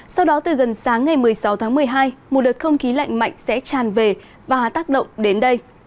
sau đó từ gần sáng ngày một mươi sáu tháng một mươi hai một đợt không khí lạnh mạnh sẽ tràn về và tác động đến đây